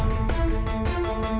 tidak ada tanah tanah